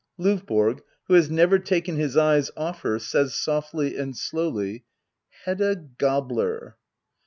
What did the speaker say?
L&VBORO. [Who has never taken his eyes off her, says softly and slowly :] Hedda — Gabler